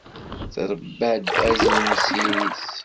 Trebba-d azrem s iri-s.